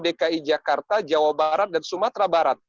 dki jakarta jawa barat dan sumatera barat